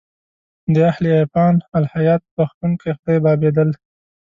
د اهل عرفان الهیات بخښونکی خدای بابېدل.